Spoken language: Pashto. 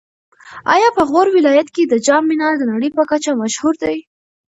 ایا په غور ولایت کې د جام منار د نړۍ په کچه مشهور دی؟